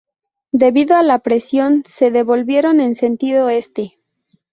Debido a la represión, se devolvieron en sentido este.